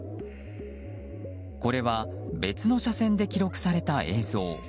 これは別の車線で記録された映像。